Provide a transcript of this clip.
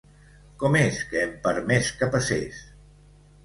Com és que hem permès que passés?